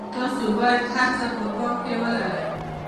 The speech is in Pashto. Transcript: تاسو باید یو څه په پام کې ولرئ.